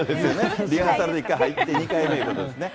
リハーサルで１回入って、２回目ということですね。